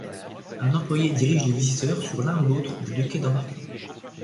Un employé dirige les visiteurs sur l'un ou l'autre des deux quais d'embarquement.